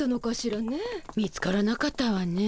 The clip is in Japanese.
見つからなかったわね。